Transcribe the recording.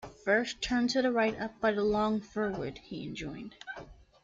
“First turn to the right up by the long fir-wood,” he enjoined.